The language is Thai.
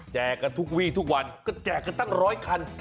กันทุกวี่ทุกวันก็แจกกันตั้งร้อยคัน